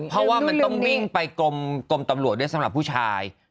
เพราะว่ามันต้องวิ่งไปกรมตำรวจด้วยสำหรับผู้ชาย